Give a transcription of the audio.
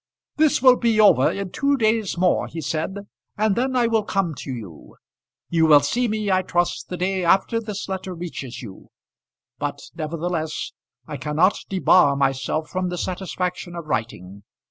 "This will be over in two days more," he said, "and then I will come to you. You will see me, I trust, the day after this letter reaches you; but nevertheless I cannot debar myself from the satisfaction of writing.